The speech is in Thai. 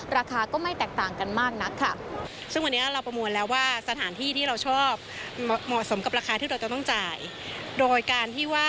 ราคาก็ไม่แตกต่างกันมากนักค่ะ